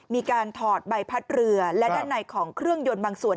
มีการถอดใบพัดเรือและด้านในของเครื่องยนต์บางส่วน